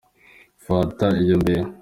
Fata iyo mbehe.